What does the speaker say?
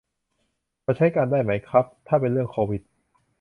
พอใช้การได้ไหมครับ ถ้าเป็นเรื่องโควิด